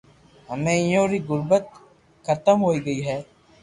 ھمي اپو ري غربت حتم ھوئي گئي ھي